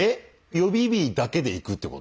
予備日だけでいくってこと？